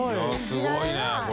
すごいねこれ。